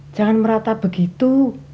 jangan merata begitu